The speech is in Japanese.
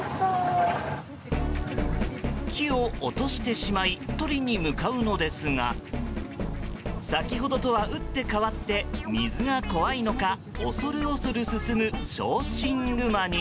木を落としてしまい取りに向かうのですが先ほどとは打って変わって水が怖いのか恐る恐る進む小心グマに。